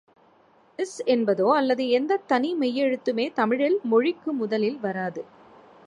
ஸ் என்பதோ அல்லது எந்தத் தனிமெய்யெழுத்துமே தமிழில் மொழிக்கு முதலில் வராது.